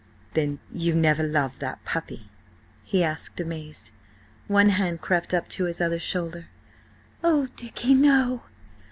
"Then you never loved that puppy?" he asked, amazed. One hand crept up to his other shoulder. "Oh, Dicky, no!